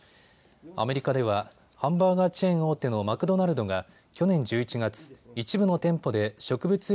アメリカではハンバーガーチェーン大手のマクドナルドが去年１１月、一部の店舗で植物